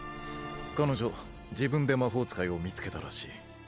彼女自分で魔法使いを見つけたらしい。